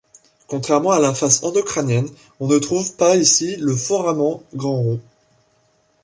Contrairement à la face endocrânienne on ne retrouve pas, ici, le foramen grand rond.